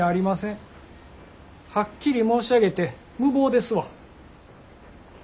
はっきり申し上げて無謀ですわ。